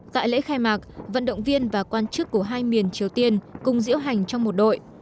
tại lễ khai mạc vận động viên và quan chức của hai miền triều tiên cùng diễu hành trong một đội